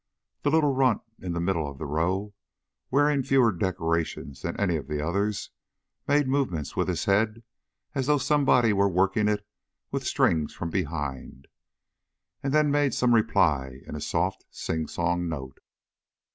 The little runt in the middle of the row, wearing fewer decorations than any of the others, made movements with his head, as though somebody were working it with strings from behind, and then made some reply in a soft sing song note.